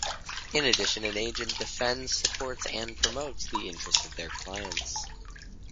In addition, an agent defends, supports and promotes the interest of their clients.